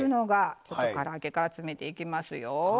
から揚げから詰めていきますよ。